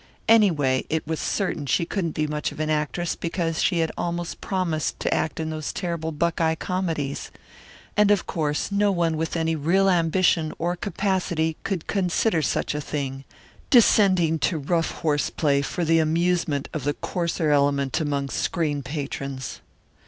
Anyway, it was certain she couldn't be much of an actress because she had almost promised to act in those terrible Buckeye comedies. And of course no one with any real ambition or capacity could consider such a thing descending to rough horse play for the amusement of the coarser element among screen patrons.